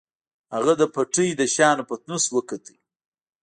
هغه د پټۍ د شيانو پتنوس وکوت.